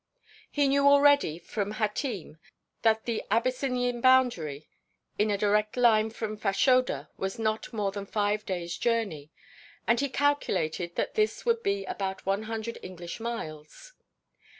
He knew already from Hatim that the Abyssinian boundary in a direct line from Fashoda was not more than five days' journey, and he calculated that this would be about one hundred English miles.